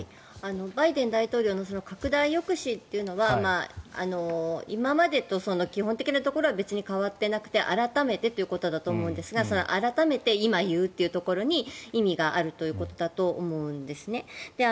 バイデン大統領の拡大抑止というのは今までと基本的なところは変わっていなくて改めてということだと思うんですが改めて今言うというところに意味があるということだと思うんですね。